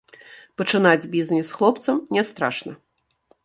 Пачынаць бізнес хлопцам не страшна.